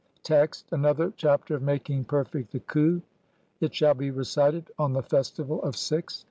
Text : (1) ANOTHER CHAPTER OF MAKING PERFECT THE KHU ; [it shall be recited] on the festival of Six.